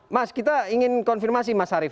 mas kita ingin konfirmasi mas arief